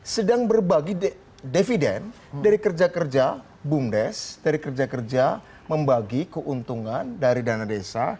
sedang berbagi dividen dari kerja kerja bumdes dari kerja kerja membagi keuntungan dari dana desa